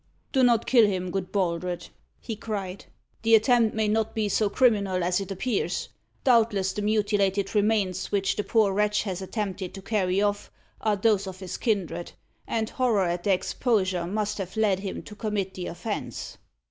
"Do not kill him, good Baldred," he cried. "The attempt may not be so criminal as it appears. Doubtless, the mutilated remains which the poor wretch has attempted to carry off are those of his kindred, and horror at their exposure must have led him to commit the offence."